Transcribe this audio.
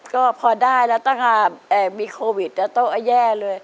ก็พอได้แล้วตั้งแต่มีโควิดแล้วโต๊ะก็แย่เลย